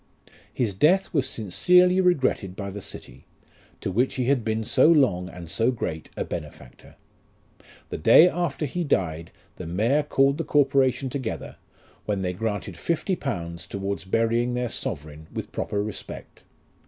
1 His death was sincerely regretted by the city, to which he had been so long and so great a benefactor. The day after he died, the mayor called the corporation together, when they granted fifty pounds towards burying their sovereign with proper respect.